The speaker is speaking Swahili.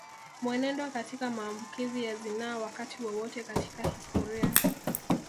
Mwenendo katika maambukizi ya zinaa Wakati wowote katika historia